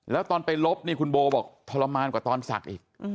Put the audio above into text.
แล้วตอนไปลบนี่คุณโบบอกทรมานกว่าตอนศักดิ์อีก